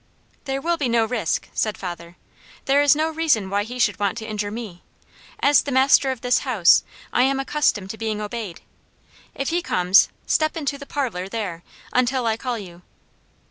"There will be no risk," said father. "There is no reason why he should want to injure me. As the master of this house, I am accustomed to being obeyed. If he comes, step into the parlour there, until I call you."